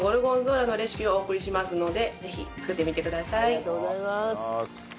ありがとうございます。